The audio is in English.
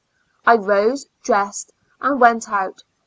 I rose, dressed and went out.